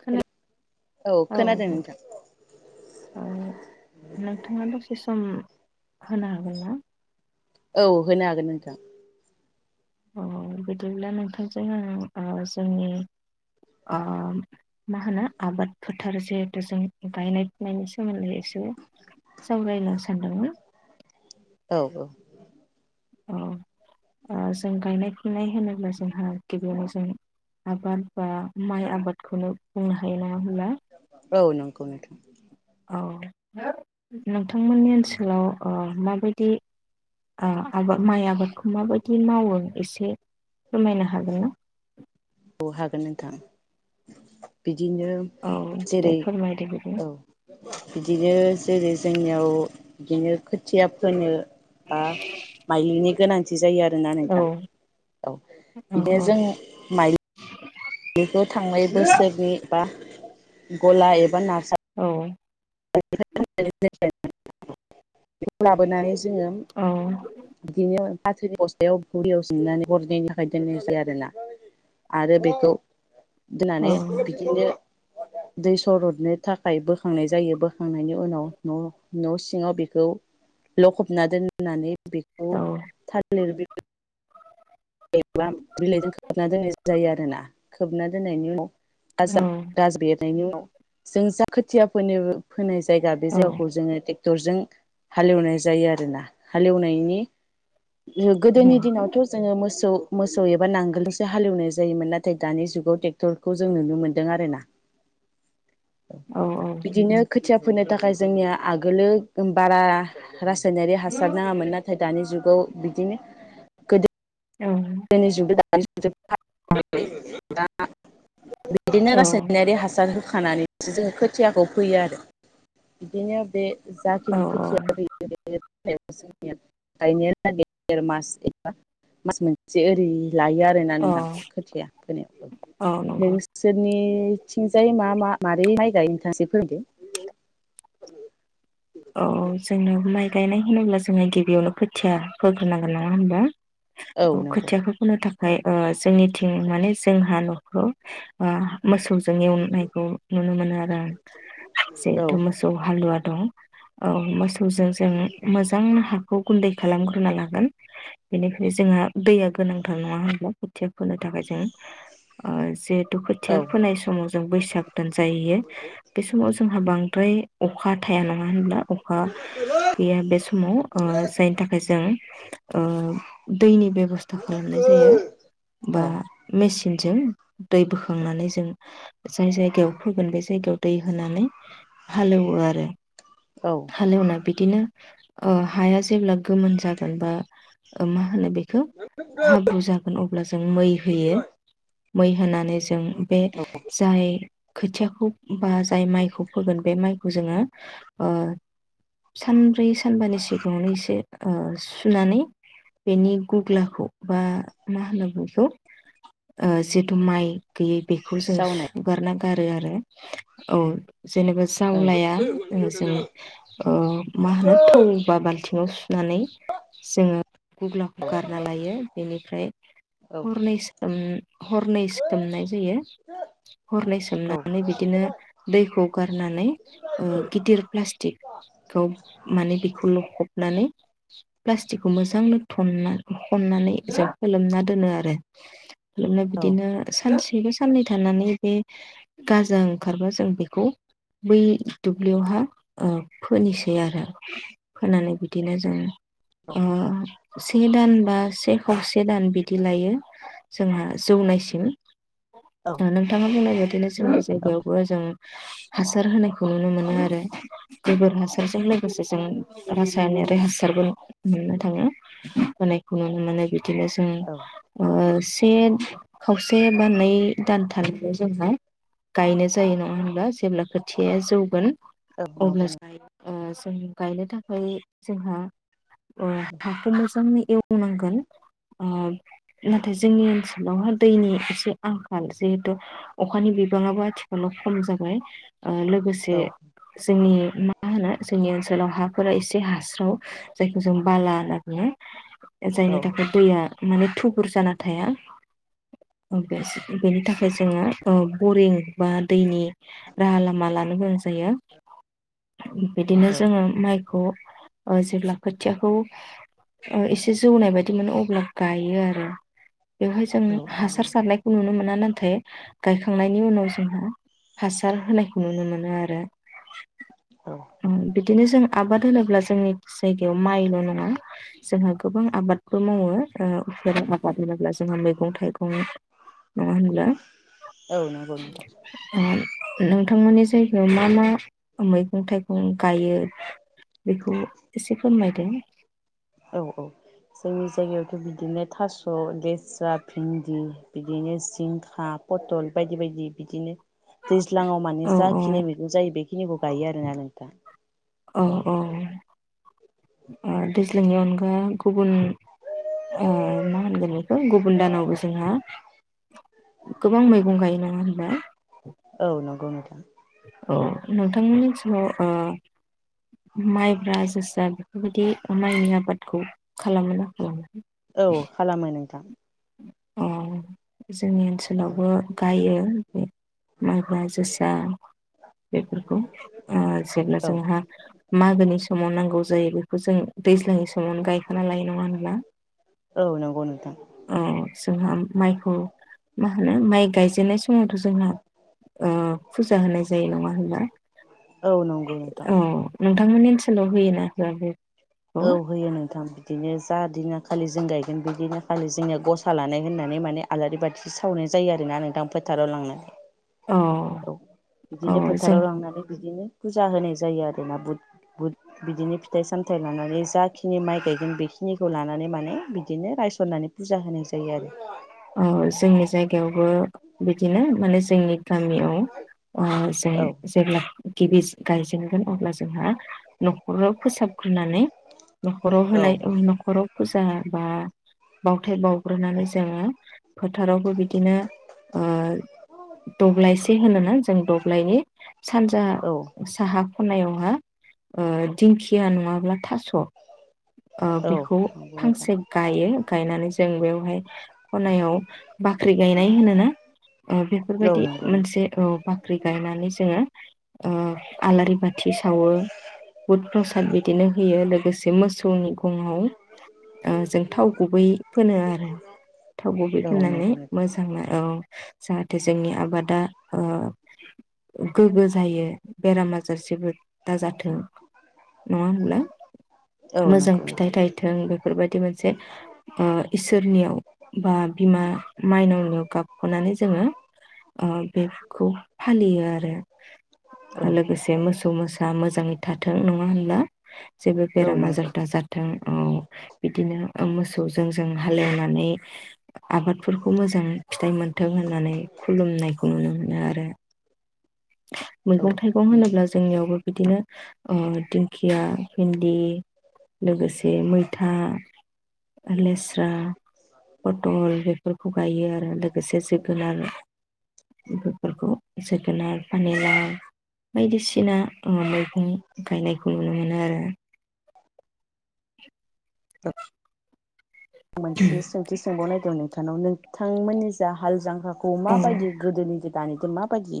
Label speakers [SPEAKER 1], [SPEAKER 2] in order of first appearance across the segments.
[SPEAKER 1] खोना औ नोंथां औ नोंथाङा दसे सम। होनो हागोनना।
[SPEAKER 2] औ होनो हागोन नोंथां।
[SPEAKER 1] अ बिदिब्ला नोंथांजों आंङो ओ जोंनि ओ मा होनो आबाद फोथार जिहेथु जों गायनाय फुनायनि सोमोन्दै ए से सावरायला सानदोंमोन।
[SPEAKER 2] औ औ।
[SPEAKER 1] अ ओ जों गायनाय फुनाय होनोब्ला जोंहा गिबियावनो जों आबाद बा माइ आबादखौनो बुंनो हा हायो नंङा होमब्ला?
[SPEAKER 2] औ नंगौ नोंथां।
[SPEAKER 1] औ नोंथांमोननि ओनसोलाव ओ माबायदि ओ आबाद माइ आबादखौ माबायदि मावो एसे फोरमायनो हागोन ना?
[SPEAKER 2] औ हागोन नोंथां बिद दिनो
[SPEAKER 1] औ दे
[SPEAKER 2] जेरै
[SPEAKER 1] फोरमायदो बिदिनो
[SPEAKER 2] औ बिदिनो ज जेरै जोंनियाव बिदिनो खोथिया फोनो बा माइलिनि गोनांथ थि जायो आरो ना
[SPEAKER 1] औ
[SPEAKER 2] नोंथां औ
[SPEAKER 1] औ
[SPEAKER 2] बिदिनो जों माइलि बेखौ थांनाय बोसोरनि बा गला एबा नार
[SPEAKER 1] औ औ।
[SPEAKER 2] [unintelligible] बेव लाबोनानै ज जोङो बिदिनो फाथोनि बस्थायाव गरियाव सोमनानै हरनैनि थाखाय दोननाय जाया आरोना आरो बेखौ
[SPEAKER 1] औ
[SPEAKER 2] दोननानै बिदिनो दै सरदनो थाखाय बोखांनाय जायो बोख खांनायनि उनाव न' न' सिङाव बेख खौ लखबना दोननानै बेखौ
[SPEAKER 1] औ
[SPEAKER 2] थालिर बि बि बा बिलाइजों खोबना दोननाय जायो आरोना खोबना दोननायनि उनाव गाजा गाज बेर नायनि उनाव जों जा खोथिया फ फोनो फोनाय जायगा बे
[SPEAKER 1] औ
[SPEAKER 2] जायगाखौ जोङो टेक क्टरजों हालेवनाय जायो आरोना‌। हालेवनायनि ओ गोदोनि दिनावथ' जोङो मोस मोसौ-मोसौ एबा नांगोलजोंसो हालेवनाय जायोमोन नाथाय दानि जुगाव टेक्टरखौ जों नुनो मोनदों आरोना।
[SPEAKER 1] औ औ।
[SPEAKER 2] थिया फोनो थाखाय जोंनिया आगोलो गोम बारा रासायनारि हासार नाङामोन न नाथाय दानि जुगाव बिदिनो गोदो
[SPEAKER 1] औ
[SPEAKER 2] गोदोनि जुगदो दानि जुगदो दा [unintelligible] बिदिनो रासायनारि हासार हो होखानानैसो जोङो खोथियाखौ फोयो आरो बिदिनो बे
[SPEAKER 1] औ
[SPEAKER 2] जाखिनि खोथिया बे द देर मास एबा मास मोन [inaudible] जे ओरै लायो आरोना
[SPEAKER 1] औ
[SPEAKER 2] नोंथां खोथिया फोनायाव
[SPEAKER 1] औ नंगौ
[SPEAKER 2] नोंसोरनि थिंजाय मा मा मारै माइ गायो नोथां इसे फोरोंदो
[SPEAKER 1] औ जोंनो माइ गायनाय होनोब्ला जोङो गिबियावनो खोथिया फोग्रोनांगोन नाङा होनबा।
[SPEAKER 2] फोरमायदो
[SPEAKER 1] औ
[SPEAKER 2] नंगौ
[SPEAKER 1] खोथियाखौ फोनो था [unintelligible] ओ जोंनिथिं माने जोंहा न'खराव ओ मोसौजों एवनायखौ नुनो मोनो। [unintelligible] जेहेतु मोसौ हालुवा दं। औ मोसौ जों जोङो मोजां हा बेखौ गुन्दै खालामग्रोना लागोन बेनिफ्रायनो जोंहा दैया गोनांथार नङा होनब्ला खोथिया फोनो थाखाय जों आ जे दुखुथिया फोनाय समाव जों बैसाग [unintelligible] जाहैयो बे समाव जोंहा बांद्राय अखा थाया नङा। [unintelligible] अखा गैया बे समाव ओ जायनि थाखाय जों ओ दैनि बेब'स्था खालामनाय
[SPEAKER 2] औ
[SPEAKER 1] जायो
[SPEAKER 2] औ औ
[SPEAKER 1] बा [unintelligible] मेसिनजों दै बोखांनानै जों जाय जायगायाव फोगोन बे जायगायाव दै होनानै हालेवो आरो।
[SPEAKER 2] औ
[SPEAKER 1] हालेवना बिदिनो ओ हाया जेब्ला गोमोन जागोन बा मा होनो बे खौ हाब्रु जागोन अब्ला जों मै होयो। मै होनानै जों बे जाय खोथियाखौ बा जाय माइखौ फोगोन बे माइखौ जोङो ओ सानब्रै सानबानि सिगाङावनो एसे ओ सुनानै बेनि गुग्लाखौ बा मा होनो बेखौ ओ जिथु माइ गैयै बेखौ जों
[SPEAKER 2] जावनाय
[SPEAKER 1] सुगारना गारो आरो औ। जेनेबा
[SPEAKER 2] औ
[SPEAKER 1] जावलाया जों अ मा होनो थौ बा बालथि [unintelligible] नानै जोङो गुग्लाखौ गारना लायो बेनिफ्राय हरनै [unintelligible] हरनै सोमनाय जायो हरनै
[SPEAKER 2] औ
[SPEAKER 1] सोमनानै बिदिनो दैखौ गारनानै ओ प्लास्टिकखौ माने बेखौ लखबनानै प्लास्टिकखौ मोजांनो थनना खननानै जों फोलोमना दोनो आरो खालामना बिदिनो सानसे बेबो साननै थानानै बे गाजा ओंखारबा जों बेखौ बै दु ब्लियावहा ओ फोनोसै आरो फोनानै बिदिनो जों ओ से दान बा से खावसे दान बिदि लायो जोंहा जौनायसिम। नोंथाङा बुंनाय बादिनो जोंनि जायगायावबो जों हासार होनायखौ नुनो मोनो। आरो गोबोर हासारजों लोगोसे जों रासायनारि हासारबो मोननो थाङो। अनेख खौ नुनो मोनो बिदिनो जों
[SPEAKER 2] औ
[SPEAKER 1] ओ बे खावसे बाननाय दानथानिखौ जोंहा गायनाय जायो नङा होनबा जेब्ला खोथियाया जौगोन।
[SPEAKER 2] औ नंगौ
[SPEAKER 1] अब्लास ओ जों गायनो थाखै जोंहा ओ हाखौ मोजाङै एवनांगोन। ओ नाथाय जोंनि ओनसोलावहा दैनि एसे आंखाल। जिहेथु अखानि बिबाङाबो आथिखालाव खम जा बाय ओ लोगोसे
[SPEAKER 2] नोंथां
[SPEAKER 1] जोंनि मा होनो जोंनि बे ओनसोलाव हाफोरा एसे हास्राव जायखौ जों बाला होनना बुङो।
[SPEAKER 2] औ
[SPEAKER 1] जायनि थाखाय दैया माने थु बुर जाना थाया। [unintelligible] बेनि थाखाय जोङो ओ बरिं बा दैनि राहालामा लानो गोनां जायो। बिदिनो
[SPEAKER 2] औ
[SPEAKER 1] जोङो माइखौ ओ जेब्ला खोथियाखौ ओ एसे जौनाय बायदि मोनो अब्ला गायो आरो बेवहाय जों
[SPEAKER 2] औ नंगौ
[SPEAKER 1] हासार सारनायखौ नुनो मोना। ना थाय गायखांनायनि उनाव जोंहा हासार होनायखौ नुनो मोनो आरो
[SPEAKER 2] औ।
[SPEAKER 1] दिनो जों आबाद होनोब्ला जोंनि जायगायाव माइल' नङा जोंहा गोबां आबादबो मावो ओ उफेरा आबाद होनोब्ला जोंहा मैगं थाइगं नङा होनब्ला?
[SPEAKER 2] औ नंगौ नोंथां
[SPEAKER 1] ओ नोंथांमोननि जायगायाव मा मा मैगं थाइ गं गायो बेखौ एसे फोरमायदों
[SPEAKER 2] औ औ जोंनि जायगायावथ' बिदिनो थास' लेस्रा भिन्दि बिदिनो जिंखा पथल बायदि बायदि बिदिनो दैज्लाङाव माने
[SPEAKER 1] औ
[SPEAKER 2] जाखिनि मैगं जायो बेखिनिखौ गायो आरोना नोंथां।
[SPEAKER 1] औ औ ओ दैज्लांनि अनगा गुबुन आ मा होनगोन बेखौ गुबुन दानावबो जोंहा गोबां मैगं गायो नङा होनबा?
[SPEAKER 2] औ नंगौ नोंथां।
[SPEAKER 1] औ नोंथांमोननि जिवाव माइब्रा जोसा बेफोरबायदि माइनि आबादखौ खालामोना खालामो
[SPEAKER 2] औ खालामो नोंथा।
[SPEAKER 1] अ जोंनि ओनसोलावबो गायो माइब्रा जोसा बेफोरखौ ओ जेब्ला
[SPEAKER 2] औ
[SPEAKER 1] जोंहा मागोनि सम समाव नांगौ जायो बेखौ जों दैज्लां समावनो गायखाना लाय नङा होनब्ला?
[SPEAKER 2] औ नंगौ नोंथां
[SPEAKER 1] औ जोंहा माइखौ मा होनो माइ गायजेननाय समावथ' जोंना ओ फुजा होनाय जायो नङा होनबा
[SPEAKER 2] औ नंगौ नोंथां
[SPEAKER 1] औ नोंथांमोननि सोल' होयोना होयाखै
[SPEAKER 2] औ होयो नोंथां बिदिनो जा दिना खालि जों गायगोन बिदिना खालि जोंनिया गसा लानाय होननानै माने आलारि बाथि सावनाय जायो आरोना नोंथां फोथाराव लांनो
[SPEAKER 1] औ
[SPEAKER 2] औ
[SPEAKER 1] औ
[SPEAKER 2] बिदिनो
[SPEAKER 1] जों
[SPEAKER 2] फोथाराव लांनानै बिदिनो फुजा होनाय जायो आरोना बुत बुत बिदिनो फिथाइ सामथाइ फिथाइ लानानै जाखिनि माइ गायगोन बेखिनिखौ लानानै माने बिदिनो रायसननानै फुजा होनाय जायो आरो
[SPEAKER 1] औ जोंनि जायगायावबो बिदिनो माने जोंनि गामियाव जों
[SPEAKER 2] औ
[SPEAKER 1] जेब्ला गिबि गायजेनगोन अब्ला जोंहा न'खराव फोसाबग्रोनानै न'खराव
[SPEAKER 2] औ
[SPEAKER 1] होनाय न'खराव फुजा बा बाउथाय बावग्रोनानै जोङो फोथारावबो बिदिनो ओ दब्लायसे होनोना जों दब्लायनि
[SPEAKER 2] औ
[SPEAKER 1] सानजाहा साहा ख'नायावहा दिंखिया नङाब्ला थास'
[SPEAKER 2] औ
[SPEAKER 1] बेखौ
[SPEAKER 2] नंगौ नोंथां
[SPEAKER 1] फांसे गायो गायनानै जों बेवहाय खनायाव बाख्रि गायनाय होनोना
[SPEAKER 2] औ
[SPEAKER 1] बेफोरबायदि
[SPEAKER 2] नंगौ नोंथां
[SPEAKER 1] मोनसे बाख्रि गायनानै जोङो ओ आलारि बाथि सावो बुद प्रसाद बिदिनो होयो, लोगोसे मोसौनि गङाव जों थाव गुबै फोनो आरो। थाव गुबै
[SPEAKER 2] औ
[SPEAKER 1] फुननानै
[SPEAKER 2] नंगौ नोंथां
[SPEAKER 1] मोजाङा औ जाहाथे जोंनि आबादा गोग्गो जायो बेराम आजार जेबो दाजाथों। नङा होमब्ला?
[SPEAKER 2] औ
[SPEAKER 1] मोजां
[SPEAKER 2] नंगौ
[SPEAKER 1] फिथाइ
[SPEAKER 2] नोंथां
[SPEAKER 1] थायथों बेफोरबाय बिदि मोनसे ओ इसोरनियाव बा बिमा माइनावनियाव गाबख'नानै जोङो बेखौ फालियो आरो आरो
[SPEAKER 2] औ
[SPEAKER 1] लोगोसे मोसौ मोसा मोजाङै थाथों नङा होनब्ला जेबो
[SPEAKER 2] औ
[SPEAKER 1] बेराम
[SPEAKER 2] नंगौ
[SPEAKER 1] आजारदाजाथों उम बिदिनो मोसौजों जों हालोवनानै आबादफोरखौ मोजां फिथाइ मोनथों होननानै खुलुमनायखौ नुनो मोनो आरो।
[SPEAKER 2] औ
[SPEAKER 1] मैगं थाइगं होनोब्ला
[SPEAKER 2] नंगौ
[SPEAKER 1] जोंनियावबो बिदिनो दिंखिया भिन्दि लोगोसे मैथा लेस्रा फटल बेफोरखौ गायो आरो। आरो लोगोसे जोगोनार बेफोरखौ जोगोनार पानिलाउ बायदिसिना मैगं गायनायखौ नुनो मोनो आरो।
[SPEAKER 2] [unintelligible] मोनसे सोंथि सोंबावनायदों नोंथांनाव नों नोंथांमोननि जाय हाल जांख्राखौ खौ
[SPEAKER 1] औ
[SPEAKER 2] माबायदि गोदोनि दानिजों माबायदि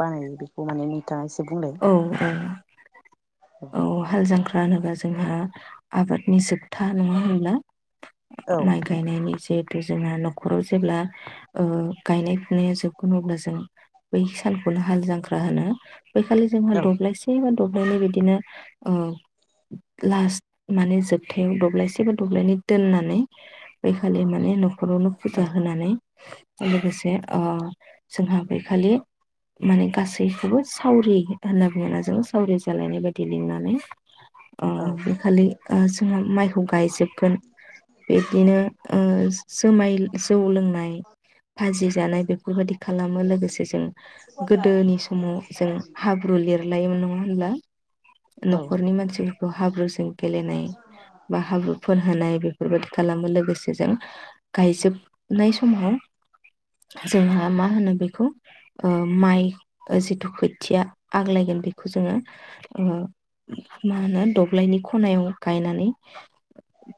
[SPEAKER 2] बानायो बेखौ माने नुथाङा एसे बुंलाय
[SPEAKER 1] औ औ औ हाल जांख्रा होनोब्ला जोंहा आबादनि जोबथा नङा होनब्ला
[SPEAKER 2] औ
[SPEAKER 1] माइ
[SPEAKER 2] नंगौ
[SPEAKER 1] गायनायनि जे जोंहा न'खराव जेब्ला गायनाय फुनाया जोबगोन अब्ला जों बै सानखौनो हाल जांख्रा होनो बैखालि जोंहा
[SPEAKER 2] औ
[SPEAKER 1] दब्लायसे बा दब नोंनो बिदिनो लास्ट माने जोब हाथायाव दब्लायसे बा दब्लायनै दोननानै बेैखालि माने न न'खरावनो
[SPEAKER 2] औ
[SPEAKER 1] फुजा होनानै लोगोसे जोंहा बेै खालि माने गासैखौबो सावरि होनना बुङोना जों सावरि जालायनाय बायदि लिंनानै अ बे
[SPEAKER 2] औ
[SPEAKER 1] खालि जोंहा माइ गायजोब गोन बिबदिनो ओ जुमाय जौ लोंनाय फाजि जानाय बेफोरबायदि खालामो लोगोसे जों गोदोनि समाव जों हाब्रु लिर लायोमोन नङा होनब्ला? न'खरनि मानसिफोरखौ हाब्रुजों गेलेनाय बा हाब्रु फोनहोनाय बेफोरबायदि खालामो लोगोसे जों गायजोबनाय समाव जोंहा मा होनो बेखौ ओ माइ जि खोथिया आग्लायगोन बेखौ जोङो मा होनो दब्लायनि खनायाव गायनानै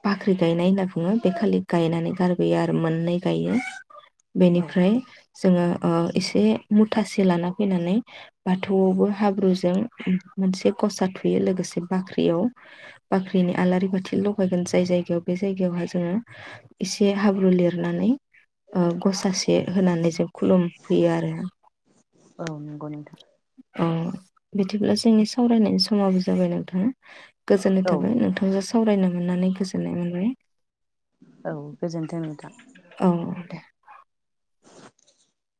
[SPEAKER 1] बाख्रि गायनाय होनना बुङो बे खालि गायनानै गारबोयो आरो मोननै गायो।
[SPEAKER 2] औ
[SPEAKER 1] बेनिफ्राय जोङो ओ एसे मुथासे लाना फैनानै बाथौआवबो हाब्रुजों मोनसे गसा थुयो लोगोसे बाख्रियाव बाख्रिनि आलारि बाथि लगायगोन जाय जायगायाव बे जायगायावहाय जोङो एसे हाब्रु लिरनानै ओ गसासे होनानै जों खुलुमफैयो आरो।
[SPEAKER 2] औ नंगौ नोंथां
[SPEAKER 1] औ बिदिब्ला जोंनि सावरायनायनि समाबो जाबाय नोंथां गोजोननाय
[SPEAKER 2] औ
[SPEAKER 1] थाबाय नोंथां दसे सावरायनो मोननानै गोजोननाय मोनबाय।
[SPEAKER 2] औ गोजोन्थों नोंथां।
[SPEAKER 1] औ दे।
[SPEAKER 2] [inaudible]